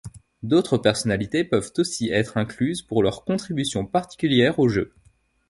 D'autres personnalités peuvent aussi être incluses pour leur contribution particulière au jeu.